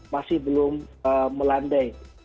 masih belum melandai